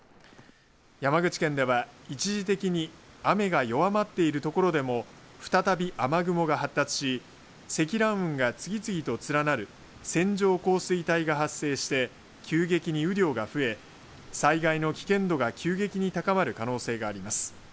山口県では、一時的に雨が弱まっている所でも再び雨雲が発達し積乱雲が次々と連なる線状降水帯が発生して急激に雨量が増え災害の危険度が急激に高まる可能性があります。